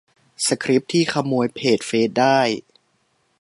- สคริปต์ที่ขโมยเพจเฟซได้